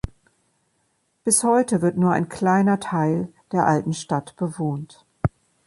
Bis heute wird nur ein kleiner Teil der alten Stadt bewohnt.